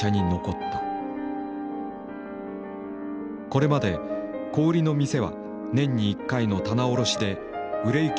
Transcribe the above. これまで小売りの店は年に１回の棚卸しで売れ行きをつかんでいた。